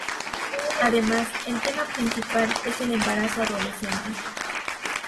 Además, el tema principal es el embarazo adolescente.